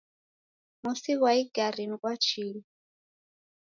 Mosi ghwa igari ni ghwa chilu